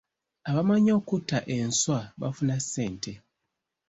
Abamanyi okutta enswa bafuna ssente.